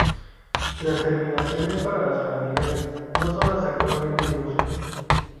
Las terminaciones para las familias no son las actualmente en uso.